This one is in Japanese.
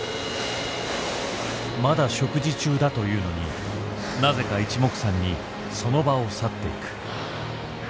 まだ食事中だというのになぜかいちもくさんにその場を去っていく。